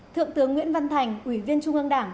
thượng tướng nguyễn văn thành ủy viên trung ương đảng